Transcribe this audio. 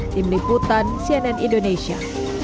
tim liputan cnn indonesia